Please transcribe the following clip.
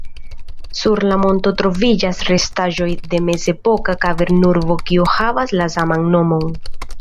Sur la monto troviĝas restaĵoj de mezepoka kavern-urbo, kiu havas la saman nomon.